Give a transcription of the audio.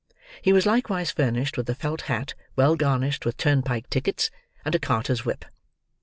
He was likewise furnished with a felt hat well garnished with turnpike tickets; and a carter's whip.